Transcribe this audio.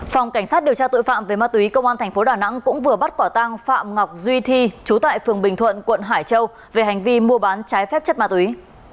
phòng cảnh sát điều tra tội phạm về ma túy công an tp đà nẵng cũng vừa bắt quả tang phạm ngọc duy thi chú tại phường bình thuận quận hải châu về hành vi mua bán trái phép chất ma túy